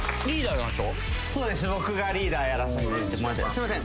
すいません